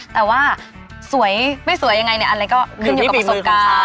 แต่ว่าสวยไม่สวยยังไงเนี่ยอะไรก็ขึ้นอยู่กับประสบการณ์